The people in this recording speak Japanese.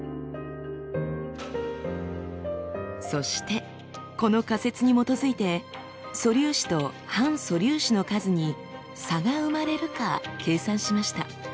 そしてこの仮説に基づいて素粒子と反素粒子の数に差が生まれるか計算しました。